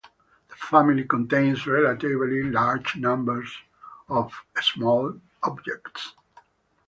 The family contains relatively large numbers of small objects.